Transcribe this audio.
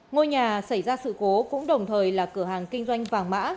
ngôi nhà xảy ra sự cố cũng đồng thời là cửa hàng kinh doanh vàng mã